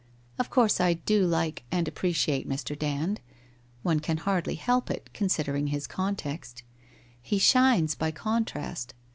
Of course I do like and appreciate Mr. Dand — one can hardly help it, considering his context. He shines, by contrast.